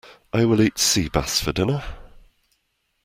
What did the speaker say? I will eat sea bass for dinner.